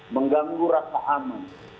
mengganggu rasa aman